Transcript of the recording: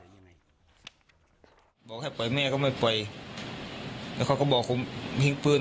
พ่อแค่ปล่อยแม่ก็ไม่ปล่อยแต่เขาก็บอกผมหิ้งพื้น